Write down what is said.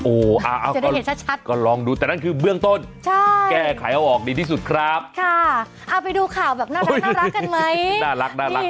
โอ้อะอะก็ลองดูแต่นั่นคือเบื้องต้นแก่ไขเอาออกดีที่สุดครับค่ะเอาไปดูข่าวแบบน่ารักกันไหม